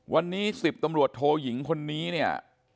วันนี้๑๐ตำรวจโทยิงคนนี้เนี่ย